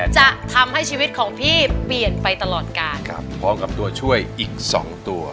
จะทำให้ชีวิตของพี่เปลี่ยนไปตลอดการครับพร้อมกับตัวช่วยอีกสองตัว